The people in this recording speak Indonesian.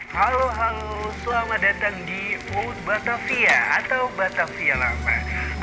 halo halo selamat datang di world batavia atau batavia lama